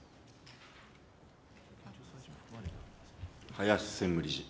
林専務理事。